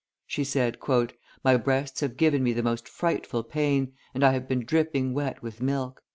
She said: "My breasts have given me the most frightful pain, and I have been dripping wet with milk."